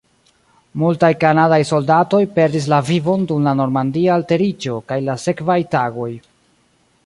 Multaj kanadaj soldatoj perdis la vivon dum la Normandia alteriĝo kaj la sekvaj tagoj.